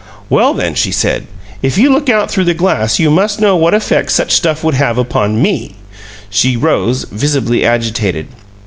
"Well, then," she said, "if you look out through the glass you must know what effect such stuff would have upon ME!" She rose, visibly agitated.